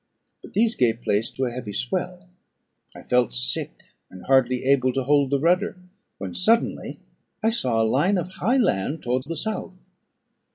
But these gave place to a heavy swell: I felt sick, and hardly able to hold the rudder, when suddenly I saw a line of high land towards the south.